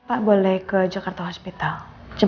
aku mau pergi dulu